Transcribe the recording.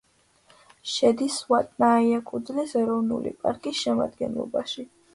შედის ვატნაიეკუდლის ეროვნული პარკის შემადგენლობაში.